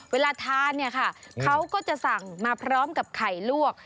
เวลาทานเขาก็จะสั่งมาพร้อมกับไข่ลวก